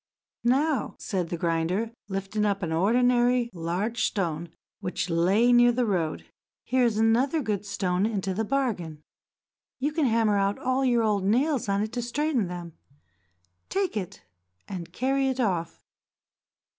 "Now," said the grinder, lifting up an ordinary large stone which lay near on the road, "here is another good stone into the bargain. You can hammer out all your old nails on it to straighten them. Take it, and carry it off."